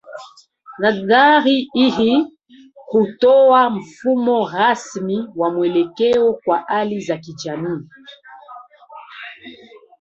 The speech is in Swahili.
Nadhari hii hutoa mfumo rasmi wa mwelekeo kwa hali za kijamii